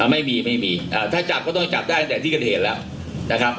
ไม่มีไม่มีถ้าจับก็ต้องจับได้ตั้งแต่ที่เกิดเหตุแล้วนะครับ